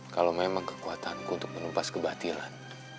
kalau memang kekuatanku untuk menumpas kebatilan